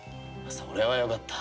それはよかった。